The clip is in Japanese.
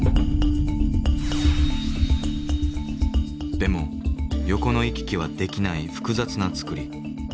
でも横の行き来はできない複雑な造り。